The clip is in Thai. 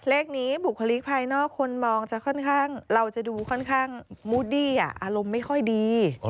เลขนี้บุคลิกภายนอกคนมองจะค่อนข้างเราจะดูค่อนข้างมูดดี้อารมณ์ไม่ค่อยดี